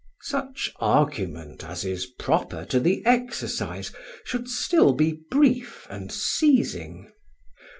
Such argument as is proper to the exercise should still be brief and seizing.